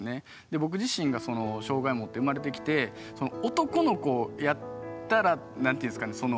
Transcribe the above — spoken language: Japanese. で僕自身がその障害を持って生まれてきて男の子やったら何て言うんですかね